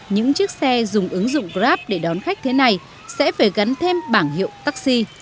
những chiếc xe dùng ứng dụng grab để đón khách thế này sẽ phải gắn thêm bảng hiệu taxi